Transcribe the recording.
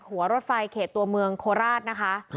หัวรถไฟเขตตัวเมืองโคราชนะคะ